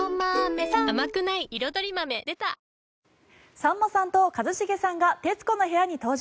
さんまさんと一茂さんが「徹子の部屋」に登場。